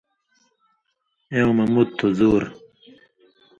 ایوں مہ مُت تُھو زُور